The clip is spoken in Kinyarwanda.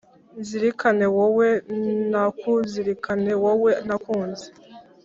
Nzirikane wowe nakuNzirikane wowe nakunze